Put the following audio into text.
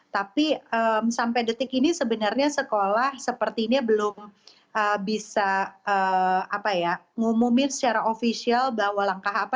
tapi sampai detik ini sebenarnya sekolah sepertinya belum bisa ngumumin secara ofisial bahwa langkah apa